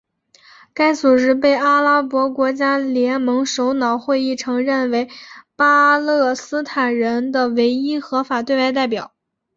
该组织被阿拉伯国家联盟首脑会议承认为巴勒斯坦人的唯一合法对外代表。